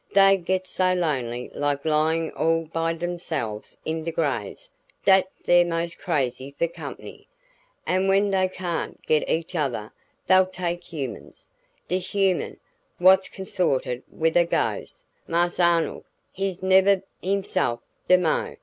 Dey gets so lonely like lyin' all by dereselves in de grave dat dey're 'most crazy for company. An' when dey cayn't get each odder dey'll take humans. De human what's consorted wid a gohs, Marse Arnold, he's nebber hisself no moah.